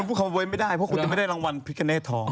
คุณพูดคำว่าเบอร์ไม่ได้เพราะคุณยังไม่ได้รางวัลพิกเนททอง